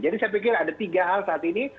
jadi saya pikir ada tiga hal saat ini